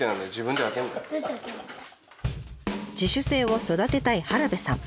自主性を育てたい原部さん。